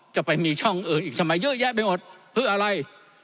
จะไปมีช่องอื่นอีกทำไมเยอะแยะไปหมดเพื่ออะไร